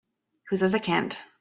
Who says I can't?